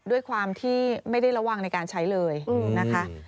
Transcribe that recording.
ด้วยความที่ไม่ได้ระวังในการใช้เลยนะคะ